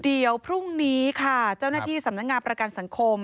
เดี๋ยวพรุ่งนี้ค่ะเจ้าหน้าที่สำนักงานประกันสังคม